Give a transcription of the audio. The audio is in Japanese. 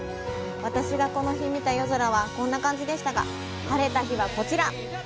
私がこの日見た夜空はこんな感じでしたが、晴れた日は、こちら！